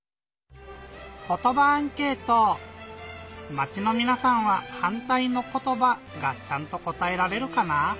まちのみなさんは「はんたいのことば」がちゃんとこたえられるかな？